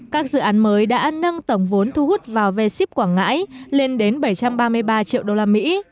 các dự án mới đã nâng tổng vốn thu hút vào v ship quảng ngãi lên đến bảy trăm ba mươi ba triệu đô la mỹ